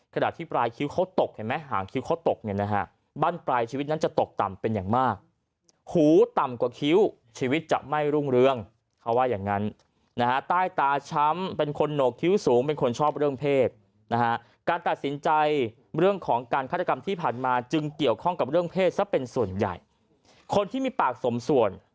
ขณะที่ปลายคิ้วเขาตกเห็นไหมหางคิ้วเขาตกเนี่ยนะฮะบ้านปลายชีวิตนั้นจะตกต่ำเป็นอย่างมากหูต่ำกว่าคิ้วชีวิตจะไม่รุ่งเรืองเขาว่าอย่างงั้นนะฮะใต้ตาช้ำเป็นคนโหนกคิ้วสูงเป็นคนชอบเรื่องเพศนะฮะการตัดสินใจเรื่องของการฆาตกรรมที่ผ่านมาจึงเกี่ยวข้องกับเรื่องเพศซะเป็นส่วนใหญ่คนที่มีปากสมส่วน